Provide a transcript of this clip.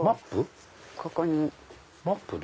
ここに。